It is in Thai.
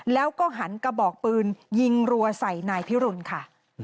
แล้วก็หันกระบอกปืนยิงรัวใส่นายพิรุณค่ะ